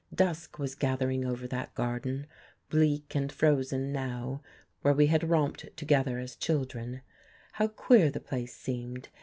Dusk was gathering over that garden, bleak and frozen now, where we had romped together as children. How queer the place seemed!